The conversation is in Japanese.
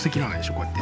こうやって。